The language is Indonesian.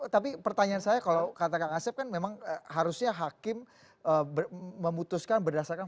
tapi pertanyaan saya kalau kata kang asep kan memang harusnya hakim memutuskan berdasarkan